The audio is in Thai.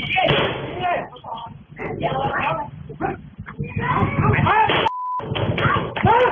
จริงละจริงค่ะ